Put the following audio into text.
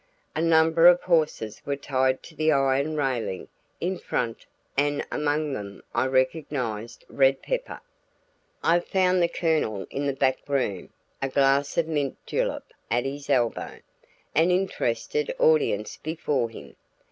A number of horses were tied to the iron railing in front and among them I recognized Red Pepper. I found the Colonel in the back room, a glass of mint julep at his elbow, an interested audience before him.